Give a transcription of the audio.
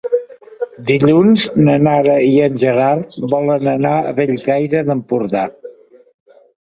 Dilluns na Nara i en Gerard volen anar a Bellcaire d'Empordà.